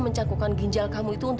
mendonorkan ginjal kamu itu